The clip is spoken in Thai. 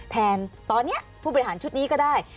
แทนตอนนี้ผู้บริหารชุดนี้ก็ได้